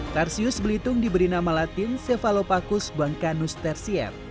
tarsius belitung diberi nama latin cephalopagus bancanus tertiare